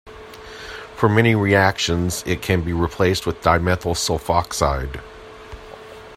For many reactions, it can be replaced with dimethyl sulfoxide.